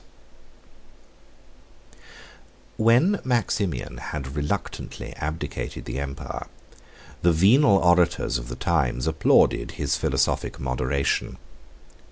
] When Maximian had reluctantly abdicated the empire, the venal orators of the times applauded his philosophic moderation.